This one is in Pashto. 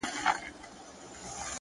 صبر د لوړو هدفونو ساتونکی دی.!